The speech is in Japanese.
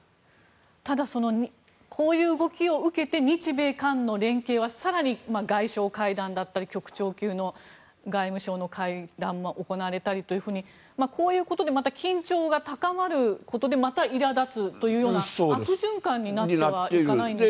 ただこういう動きを受けて日米韓の連携は更に外相会談だったり局長級の外務相の会談が行われたりと、こういうことでまた緊張が高まることでまたいら立つという悪循環になってはいかないんですか？